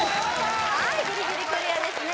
はいギリギリクリアですね